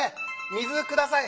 水ください！